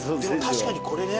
確かにこれね。